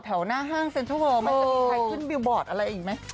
หน้าห้างเซ็นเทิร์ลมันจะมีใครขึ้นบิลบอร์ดอะไรอีกไหม